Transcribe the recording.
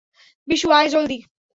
বিশু, আয় জলদি।